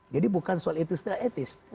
jadi bukan soal etis tidak etis